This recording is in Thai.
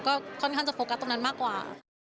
ก็ค่อนข้างจะโฟกัสตรงนั้นมากกว่า